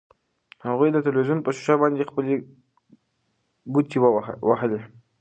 هغې د تلویزیون په شیشه باندې خپلې ګوتې وهلې.